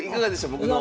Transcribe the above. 僕の。